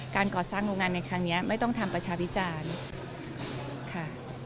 ก่อสร้างโรงงานในครั้งนี้ไม่ต้องทำประชาพิจารณ์ค่ะ